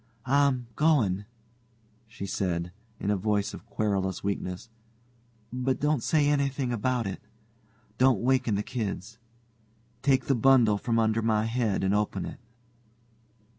"I'm going," she said, in a voice of querulous weakness, "but don't say anything about it. Don't waken the kids. Take the bundle from under my head and open it."